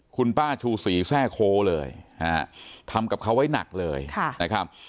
คุณป้าชูศรีแทร่โคเลยนะฮะทำกับเขาไว้หนักเลยนะครับ